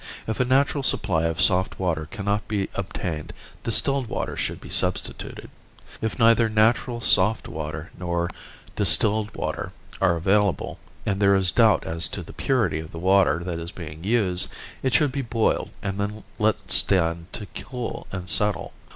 If a natural supply of soft water cannot be obtained distilled water should be substituted. If neither natural soft water nor distilled water are available, and there is doubt as to the purity of the water that is being used, it should be boiled and then let stand to cool and settle.